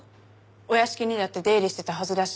お屋敷にだって出入りしてたはずだし。